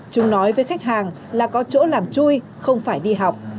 chúng nói với khách hàng là có chỗ làm chui không phải đi học